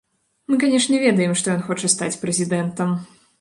Мы канешне, ведаем, што ён хоча стаць прэзідэнтам.